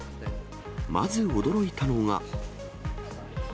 まず驚いたのが。